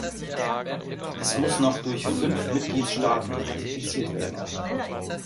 Es muss noch durch fünf Mitgliedstaaten ratifiziert werden.